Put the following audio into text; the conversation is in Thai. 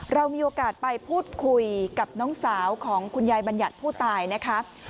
เรามีโอกาสไปพูดคุยกับน้องสาวของคุณยายบัญญัติผู้ตายนะคะ